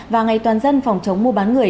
và ngày toàn dân phòng chống mua bán người